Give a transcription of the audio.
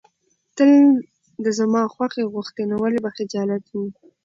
تل د زما خوښي غوښتې، نو ولې به خجالت وې.